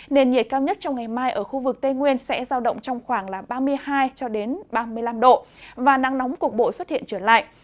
nền nhiệt cao nhất trong ngày mai ở khu vực tây nguyên sẽ giao động trong khoảng ba mươi hai ba mươi năm độ và nắng nóng cục bộ xuất hiện trở lại